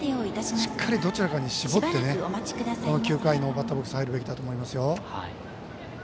しっかり、どちらかに絞って９回のバッターボックスに入るべきだと思いますよ。